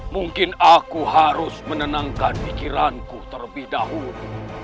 mungkin aku harus menenangkan pikiranku terlebih dahulu